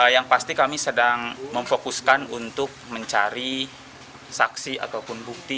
yang pasti kami sedang memfokuskan untuk mencari saksi ataupun bukti